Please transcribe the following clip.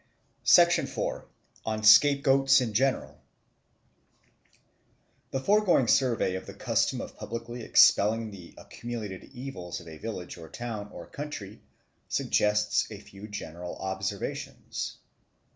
4. On Scapegoats in General THE FOREGOING survey of the custom of publicly expelling the accumulated evils of a village or town or country suggests a few general observations.